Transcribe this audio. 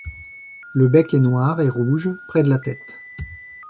Le bec est noir et rouge près de la tête.